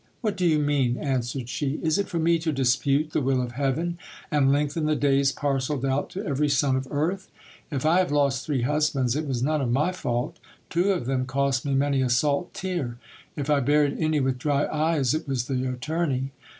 What do you mean ? answered she : is it for me to dispute the will of heaven, and lengthen the days parcelled out to every son of earth ? If I have lost three husbands, it was none of my fault. Two of them cost me many a salt tear. If I buried any with dry eyes, it was the attorney.